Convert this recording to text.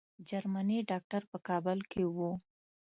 جرمني ډاکټر په کابل کې وو.